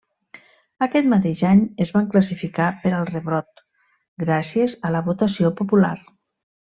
Aquest mateix any es van classificar per al Rebrot, gràcies a la votació popular.